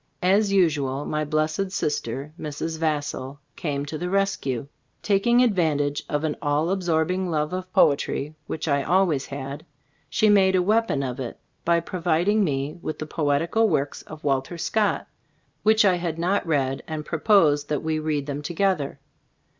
As usual, my blessed sister, Mrs. Vassall, came to the rescue. Taking advantage of an all absorbing love of poetry (which I always had) she made a weapon of it by providing me with the poetical works of Walter Scott, which I had not read, and proposed that we read them together.